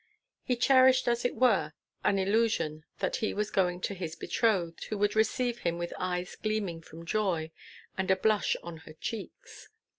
He cherished as it were an illusion that he was going to his betrothed, who would receive him with eyes gleaming from joy and a blush on her cheeks.